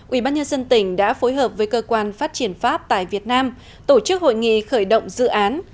ubnd tỉnh đã phối hợp với cơ quan phát triển pháp tại việt nam tổ chức hội nghị khởi động dự án